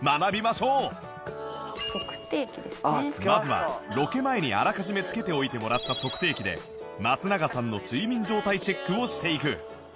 まずはロケ前にあらかじめ着けておいてもらった測定器で松永さんの睡眠状態チェックをしていく